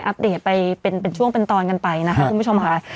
เดตไปเป็นช่วงเป็นตอนกันไปนะคะคุณผู้ชมค่ะ